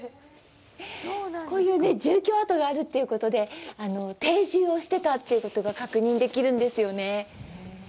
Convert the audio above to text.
こういう住居跡があるということで定住をしてたっていうことが確認できるんですよね。